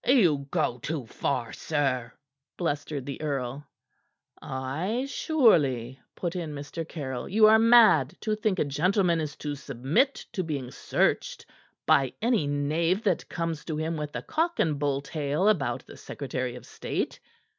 "You go too far, sir," blustered the earl. "Ay, surely," put in Mr. Caryll. "You are mad to think a gentleman is to submit to being searched by any knave that comes to him with a cock and bull tale about the Secretary of State."